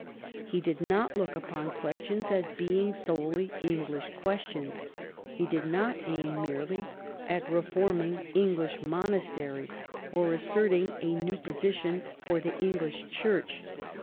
He did not look upon ques tions as being solely English questions : he did not aim merely at reforming English monasteries or asserting a new position for the English Church.